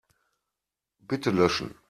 Bitte löschen.